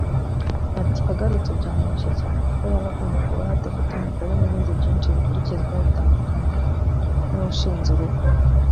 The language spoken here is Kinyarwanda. Ati “Agarutse byamurushya cyane kuko yaba agomba kubaho adafite umugore n’ibindi byinshi bikurikizwa bitandukanye n’uwashinze urugo